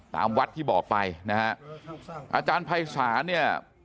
ตามวัดที่บอกไปนะฮะอาจารย์ภัยศาลเนี่ย